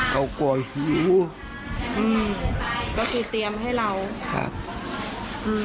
เขาปล่อยหิวอืมก็คือเตรียมให้เราครับอืม